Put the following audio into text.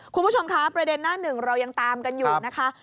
คุณผู้ชมคะประเด็นหน้าหนึ่งเรายังตามกันอยู่นะคะ